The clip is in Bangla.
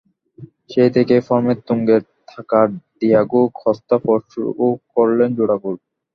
সেই থেকেই ফর্মের তুঙ্গে থাকা ডিয়েগো কস্তা পরশুও করলেন জোড়া গোল।